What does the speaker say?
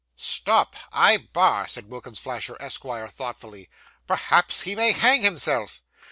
'Stop! I bar,' said Wilkins Flasher, Esquire, thoughtfully. 'Perhaps he may hang himself.